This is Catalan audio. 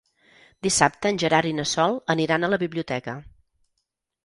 Dissabte en Gerard i na Sol aniran a la biblioteca.